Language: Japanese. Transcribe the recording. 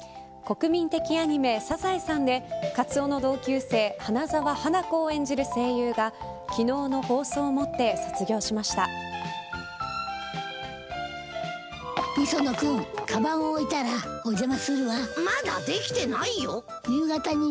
国民的アニメ、サザエさんでカツオの同級生花沢花子を演じる声優が昨日の放送をもって磯野君、かばんを置いたらまだできてないよ。